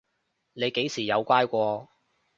你幾時有乖過？